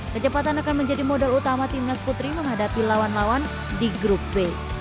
kecepatan akan menjadi modal utama timnas putri menghadapi lawan lawan di grup b